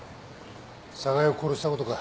寒河江を殺したことか？